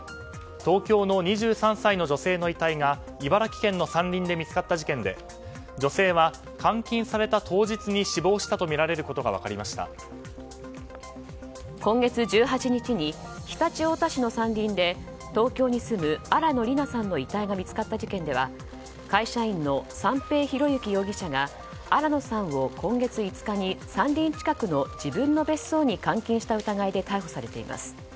東京の２３歳の女性の遺体が茨城県の山林で見つかった事件で女性は監禁された当日に死亡したとみられることが今月１８日に常陸太田市の山林で東京に住む新野りなさんの遺体が見つかった事件では会社員の三瓶博幸容疑者が新野さんを今月５日に山林近くの自分の別荘に監禁した疑いで逮捕されています。